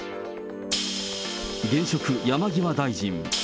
現職、山際大臣。